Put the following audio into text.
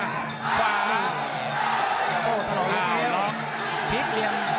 หลุดได้ตลอดพลิกเพี่ยว